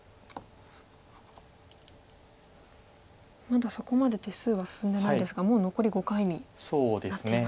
まだそこまで手数は進んでないですがもう残り５回になっていますね。